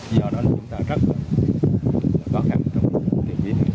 do đó là chúng ta rất khó khăn trong đường biển